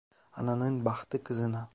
Ananın bahtı kızına.